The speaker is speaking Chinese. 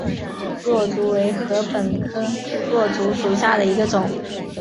箬竹为禾本科箬竹属下的一个种。